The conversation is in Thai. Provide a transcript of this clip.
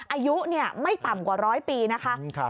อายุไม่ต่ำกว่าร้อยปีนะคะ